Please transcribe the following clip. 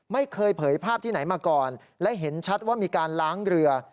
ไม่เคยเผยภาพที่ไหนมาก่อนและเห็นชัดว่ามีการล้างเรือ